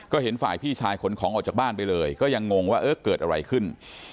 ก็เห็นฝ่ายพี่ชายขนของออกจากบ้านไปเลยก็ยังงงว่าเออเกิดอะไรขึ้น